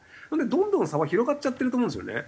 どんどん差は広がっちゃってると思うんですよね。